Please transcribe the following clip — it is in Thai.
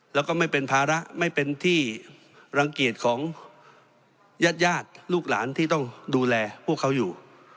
แล้วก็ไม่เป็นภาระไม่เป็นที่รังเกียจของญาติญาติลูกหลานที่ต้องดูแลพวกเขาอยู่